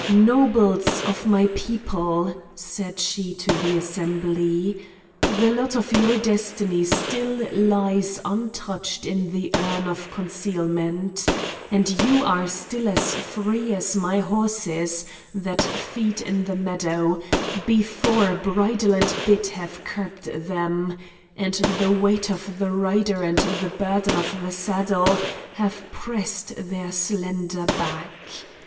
"Nobles of my people," said she to the assembly, "the lot of your destiny still lies untouched in the urn of concealment, and you are still as free as my horses that feed in the meadow, before bridle and bit have curbed them, and the weight of the rider and the burden of the saddle have pressed their slender back.